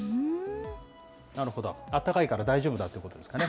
なるほど、あったかいから大丈夫だっていうことですかね。